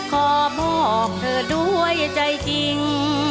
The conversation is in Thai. ขอบอกเธอด้วยใจจริง